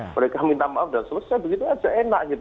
mereka minta maaf dan selesai begitu aja enak gitu